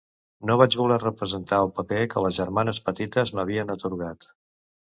No vaig voler representar el paper que les germanes petites m'havien atorgat.